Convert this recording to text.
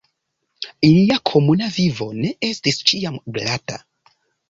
Ilia komuna vivo ne estis ĉiam glata.